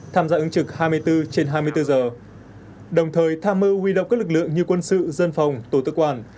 tham gia ứng trực hai mươi bốn trên hai mươi bốn giờ đồng thời tha mơ huy động các lực lượng như quân sự dân phòng tổ tư quản